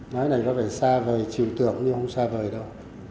nói này có vẻ xa vời trường tượng nhưng không xa vời đâu